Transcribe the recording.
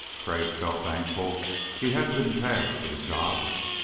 Crag felt thankful he hadn't been tabbed for the job.